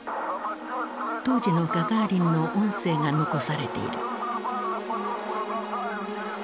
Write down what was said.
当時のガガーリンの音声が残されている。